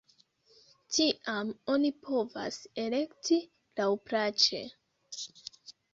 Tiam oni povas elekti laŭplaĉe.